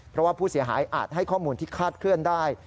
เพราะว่าผู้เสียหายอาจให้ข้อมูลที่คาดเคลื่อนได้